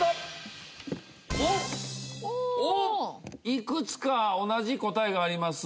いくつか同じ答えがあります。